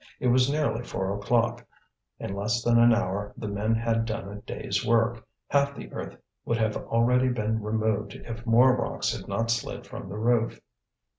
It was nearly four o'clock; in less than an hour the men had done a day's work; half the earth would have already been removed if more rocks had not slid from the roof.